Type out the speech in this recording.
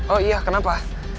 oh iya kenapa